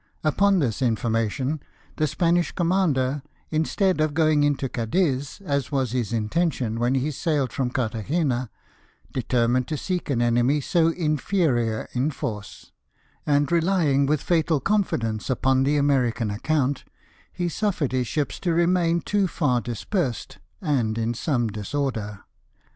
Upon this information the Spanish commander, instead of going into Cadiz, as was his intention when he sailed from Carthagena, determined to seek an enemy so inferior in force; and relying with fatal confidence upon the American account, he suffered his ships to remain too far dispersed, and in some disorder.